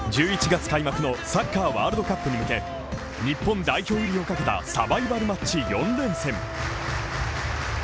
１１月開幕のサッカーワールドカップに向け、日本代表入りをかけたサバイバルマッチ４連戦。